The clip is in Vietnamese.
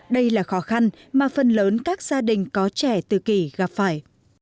đây là khó khăn mà phần lớn các gia đình có trẻ tự kỷ gặp phải